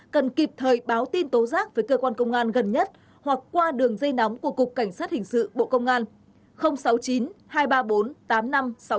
cần kịp thời báo tin tố giác với cơ quan công an gần nhất hoặc qua đường dây nóng của cục cảnh sát hình sự bộ công an